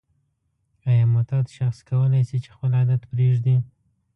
آیا معتاد شخص کولای شي چې خپل عادت پریږدي؟